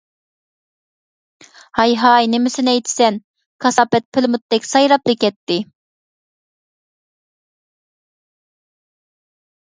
ھاي-ھاي، نېمىسىنى ئېيتىسەن، كاساپەت پىلىموتتەك سايراپلا كەتتى.